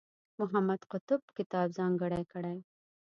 محمد قطب کتاب ځانګړی کړی.